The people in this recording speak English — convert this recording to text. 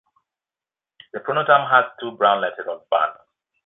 The pronotum has two brown lateral bands.